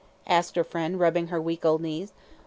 asked her friend, rubbing her weak old knees.